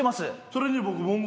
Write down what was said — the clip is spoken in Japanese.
それに僕。